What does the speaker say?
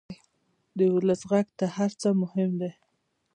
د ولس غږ تر هر څه مهم دی.